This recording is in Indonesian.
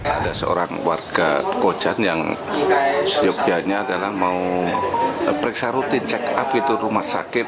ada seorang warga kojan yang jogjanya adalah mau periksa rutin check up itu rumah sakit